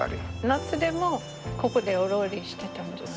夏でもここでお料理してたんですか？